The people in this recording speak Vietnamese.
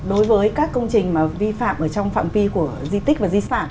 đối với các công trình mà vi phạm ở trong phạm vi của di tích và di sản